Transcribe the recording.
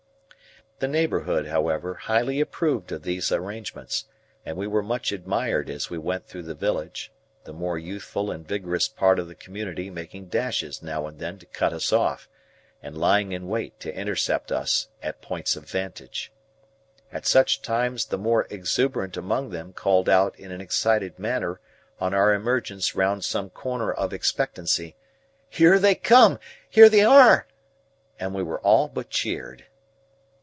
The neighbourhood, however, highly approved of these arrangements, and we were much admired as we went through the village; the more youthful and vigorous part of the community making dashes now and then to cut us off, and lying in wait to intercept us at points of vantage. At such times the more exuberant among them called out in an excited manner on our emergence round some corner of expectancy, "Here they come!" "Here they are!" and we were all but cheered.